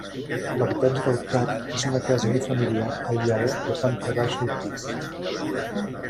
L'habitatge del cap és una casa unifamiliar aïllada de planta baixa i pis.